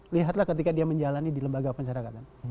lihatlah ketika dia menjalani di lembaga pemasyarakatan